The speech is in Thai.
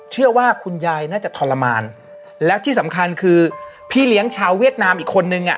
เชื่อว่าคุณยายน่าจะทรมานและที่สำคัญคือพี่เลี้ยงชาวเวียดนามอีกคนนึงอ่ะ